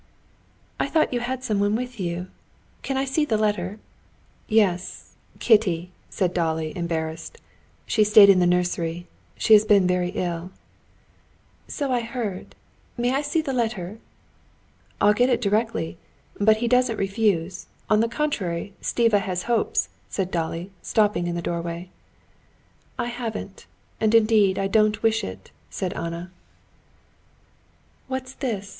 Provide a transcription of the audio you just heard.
"I thought you had someone with you. Can I see the letter?" "Yes; Kitty," said Dolly, embarrassed. "She stayed in the nursery. She has been very ill." "So I heard. May I see the letter?" "I'll get it directly. But he doesn't refuse; on the contrary, Stiva has hopes," said Dolly, stopping in the doorway. "I haven't, and indeed I don't wish it," said Anna. "What's this?